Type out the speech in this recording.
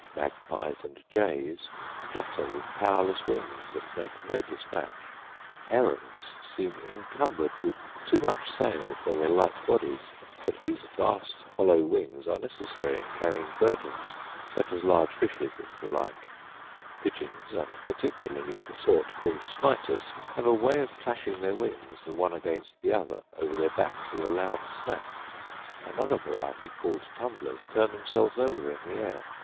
Magpies and jays flutter with powerless wings, and make no dispatch; herons seem incumbered with too much sail for their light bodies; but these vast hollow wings are necessary in carrying burdens, such as large fishes, and the like; pigeons, and particularly the sort called smiters, have a way of clashing their wings the one against the other over their backs with a loud snap; another variety called tumblers turn themselves over in the air.